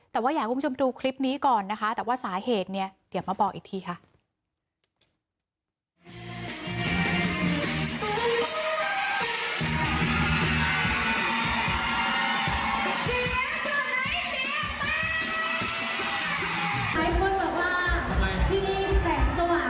แต่ว่าอยากให้คุณผู้ชมดูคลิปนี้ก่อนนะคะแต่ว่าสาเหตุเนี่ยเดี๋ยวมาบอกอีกทีค่ะ